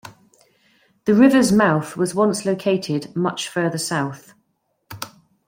The river's mouth was once located much further south.